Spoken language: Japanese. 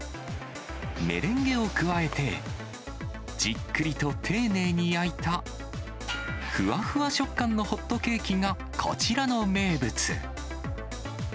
メレンゲを加えて、じっくりと丁寧に焼いた、ふわふわ食感のホットケーキがこちらの名物。